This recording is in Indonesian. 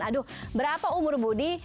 aduh berapa umur budi